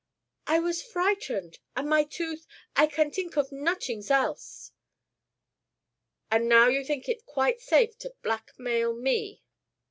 "I was frightened, and my tooth I can tink of notings else." "And now you think it quite safe to blackmail me?"